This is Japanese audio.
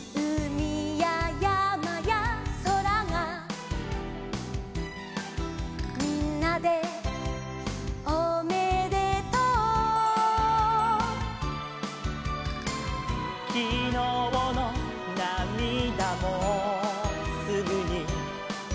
「みんなでおめでとう」「きのうのなみだもすぐに」